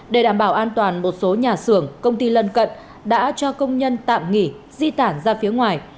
để đảm bảo an toàn một số nhà xưởng công ty lân cận đã cho công nhân tạm nghỉ di tản ra phía ngoài